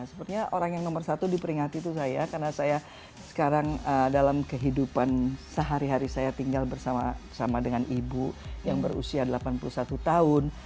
sepertinya orang yang nomor satu diperingati itu saya karena saya sekarang dalam kehidupan sehari hari saya tinggal bersama dengan ibu yang berusia delapan puluh satu tahun